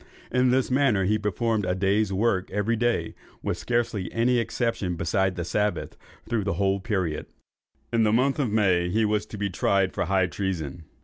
In this manner he performed a day's work every day, with scarcely any exception beside the Sabbath, through the whole period. In the month of May he was to be tried for high treason.